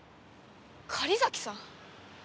狩崎さん。